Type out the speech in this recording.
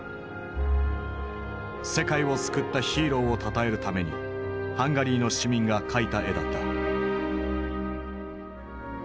世界を救ったヒーローをたたえるためにハンガリーの市民が描いた絵だった。